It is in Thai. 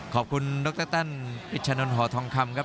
ขอบคุณดรตันอิชานนทหอทองคำครับ